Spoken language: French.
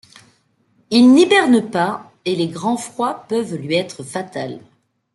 Il n'hiberne pas, et les grands froids peuvent lui être fatals.